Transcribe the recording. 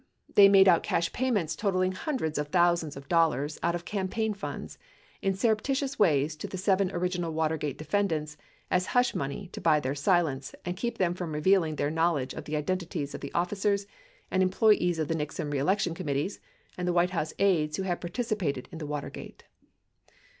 They made cash payments totaling hundreds of thousands of dollars out of campaign funds in surreptitious ways to the seven original Watergate defendants as hush money to buy their silence and keep them from revealing their knowledge of the identities of 1101 the officers and employees of the Nixon reelection committees and the White House aides who had participated in the Watergate.